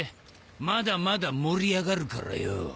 まだまだ盛り上がるからよ。